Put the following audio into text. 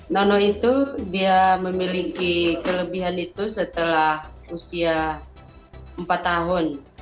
nono itu dia memiliki kelebihan itu setelah usia empat tahun